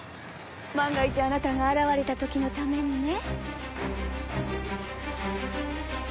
万が一あなたが現れた時のためにね。